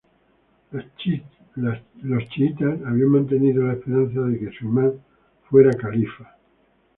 Los chiitas habían mantenido la esperanza de que su imam fuera califa.